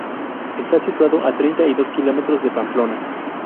Está situado a treinta y dos kilómetros de Pamplona.